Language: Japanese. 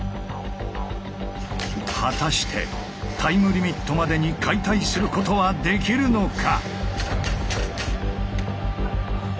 果たしてタイムリミットまでに解体することはできるのか？